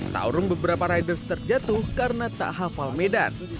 taurung beberapa riders terjatuh karena tak hafal medan